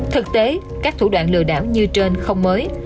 thực tế các thủ đoạn lừa đảo như trên không mới